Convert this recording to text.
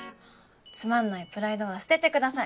つまんないプライドは捨ててください。